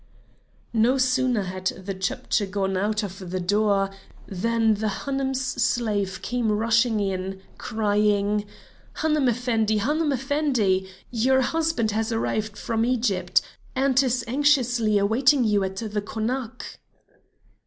No sooner had the Chepdji gone out of the door, than the Hanoum's slave came rushing in, crying: "Hanoum Effendi! Hanoum Effendi! Your husband has arrived from Egypt, and is anxiously awaiting you at the Konak."